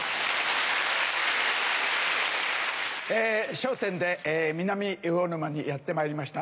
『笑点』で南魚沼にやってまいりました。